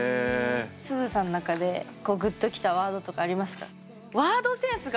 すずさんの中でこうグッときたワードとかありますか？